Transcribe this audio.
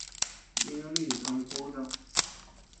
Dinu nichis ama kú töo.